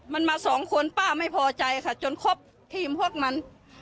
มันมาสองคนป้าไม่พอใจค่ะจนครบทีมพวกมัน